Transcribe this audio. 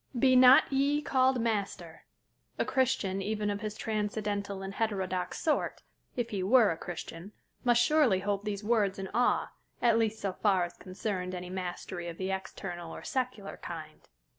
"Be not ye called master" a Christian even of his transcendental and heterodox sort, if he were a Christian, must surely hold these words in awe, at least so far as concerned any mastery of the external or secular kind.